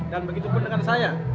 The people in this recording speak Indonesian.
dan begitu pun dengan saya